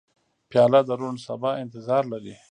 پیاله د روڼ سبا انتظار لري.